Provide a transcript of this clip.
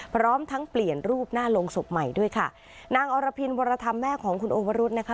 พร้อมทั้งเปลี่ยนรูปหน้าโรงศพใหม่ด้วยค่ะนางอรพินวรธรรมแม่ของคุณโอวรุธนะคะ